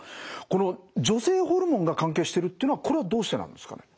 この女性ホルモンが関係してるっていうのはこれはどうしてなんですかね？